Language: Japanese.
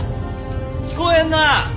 聞こえんな！